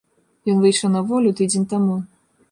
Ён выйшаў на волю тыдзень таму.